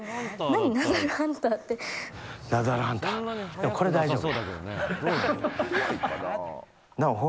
でも、これ大丈夫や。